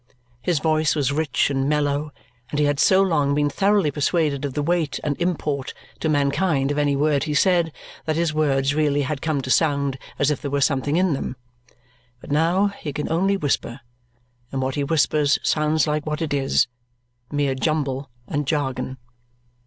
His voice was rich and mellow and he had so long been thoroughly persuaded of the weight and import to mankind of any word he said that his words really had come to sound as if there were something in them. But now he can only whisper, and what he whispers sounds like what it is mere jumble and jargon.